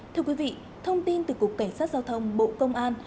thưa quý vị thông tin từ cục cảnh sát giao thông bộ công an